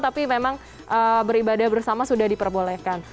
tapi memang beribadah bersama sudah diperbolehkan